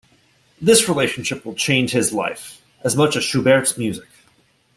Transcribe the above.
This relationship will change his life, as much as Schubert's music.